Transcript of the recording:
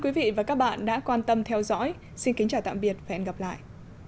quý vị và các bạn đã quan tâm theo dõi xin kính chào tạm biệt và hẹn gặp lại